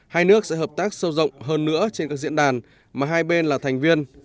hai nước sẽ hợp tác sâu rộng hơn nữa trên các diễn đàn mà hai bên là thành viên